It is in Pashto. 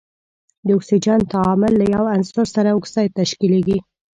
د اکسیجن تعامل له یو عنصر سره اکساید تشکیلیږي.